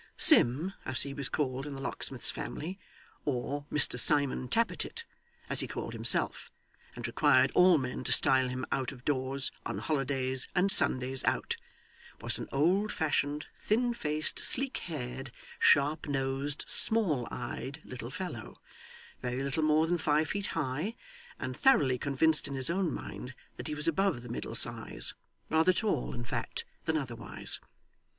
Sim, as he was called in the locksmith's family, or Mr Simon Tappertit, as he called himself, and required all men to style him out of doors, on holidays, and Sundays out, was an old fashioned, thin faced, sleek haired, sharp nosed, small eyed little fellow, very little more than five feet high, and thoroughly convinced in his own mind that he was above the middle size; rather tall, in fact, than otherwise.